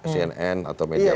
cnn atau media masyarakat